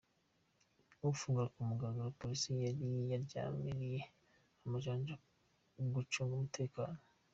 Ufungura ku mugaragaro Polisi yari yaryamiye amajanja mu gucunga umutekano.